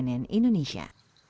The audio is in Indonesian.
tim liputan cnn indonesia